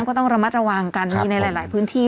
มันต้องระมัดระวังการการมีมีในหลายหลายพื้นที่